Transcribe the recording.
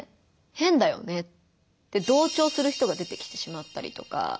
変だよね」って同調する人が出てきてしまったりとか。